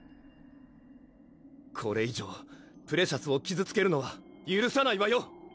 これ以上プレシャスを傷つけるのはゆるさないわよ！